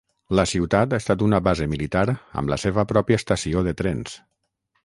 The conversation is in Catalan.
La ciutat ha estat una base militar amb la seva pròpia estació de trens.